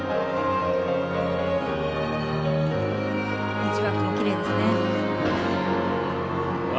エッジワークもきれいですね。